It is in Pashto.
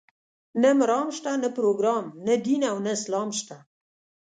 نه مرام شته، نه پروګرام، نه دین او نه اسلام شته.